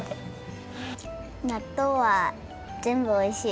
なっとうはぜんぶおいしい。